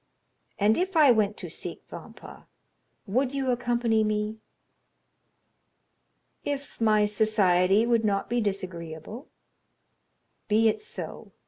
"And if I went to seek Vampa, would you accompany me?" "If my society would not be disagreeable." "Be it so.